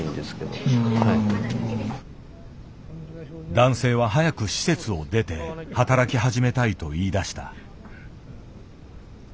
男性は早く施設を出て働き始めたいと言いだした。